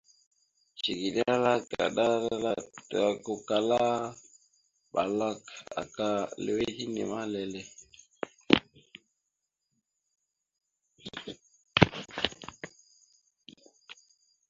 Cikiɗe ala gata takukala balak aka lʉwet hine ma lele.